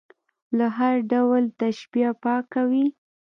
له هر ډول تشبیه پاک وي.